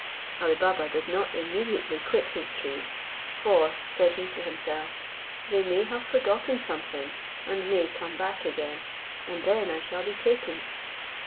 Ali Baba did not immediately quit his tree; for, said he to himself, they may have forgotten something and may come back again, and then I shall be taken.